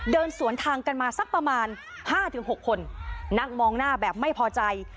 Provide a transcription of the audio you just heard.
เดินสวนทางกันมาสักประมาณ๕๖คนนั่งมองหน้าแบบไม่พอใจ